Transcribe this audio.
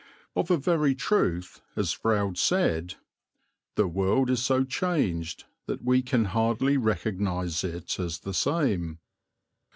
Of a very truth, as Froude said, "The world is so changed that we can hardly recognize it as the same."